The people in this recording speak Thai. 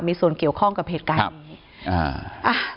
มีส่วนเกี่ยวข้องกับเหตุการณ์นี้อ่า